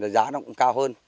giá nó cũng cao hơn